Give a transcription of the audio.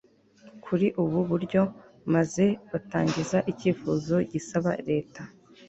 kuri ubu buryo maze batangiza icyifuzo gisaba leta